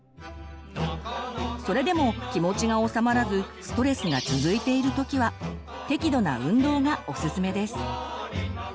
それでも気持ちがおさまらずストレスが続いている時は適度な運動がおすすめです。